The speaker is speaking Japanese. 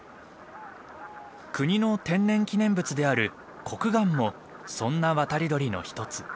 国の天然記念物であるコクガンもそんな渡り鳥の一つ。